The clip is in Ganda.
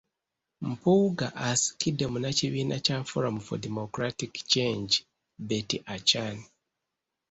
Mpuuga asikidde munnakibiina kya Forum for Democratic Change, Betty Achan.